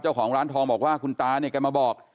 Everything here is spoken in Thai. เจ้าของร้านทองบอกว่าคุณตาเนี่ยแกมาบอก